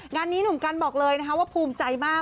งานนี้หนุ่มกันบอกเลยนะคะว่าภูมิใจมาก